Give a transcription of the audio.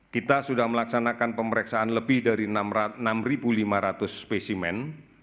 kita sudah melaksanakan pemeriksaan lebih dari enam lima ratus spesimen